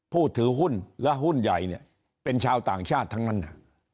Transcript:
ผู้ถือหุ้นและหุ้นใหญ่เนี่ยเป็นชาวต่างชาติทั้งนั้น